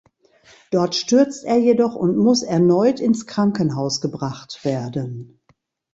Dort stürzt er jedoch und muss erneut ins Krankenhaus gebracht werden.